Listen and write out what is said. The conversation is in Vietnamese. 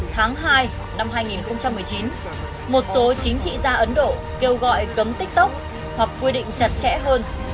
tháng hai năm hai nghìn một mươi chín một số chính trị gia ấn độ kêu gọi cấm tiktok hoặc quy định chặt chẽ hơn